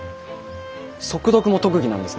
速読も特技なんですね。